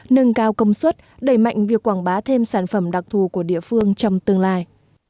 nâng cao công suất đẩy mạnh việc quảng bá thêm sản phẩm đặc thù của địa phương trong tương lai